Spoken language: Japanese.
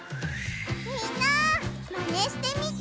みんなマネしてみてね！